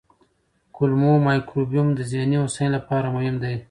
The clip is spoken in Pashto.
کولمو مایکروبیوم د ذهني هوساینې لپاره مهم دی.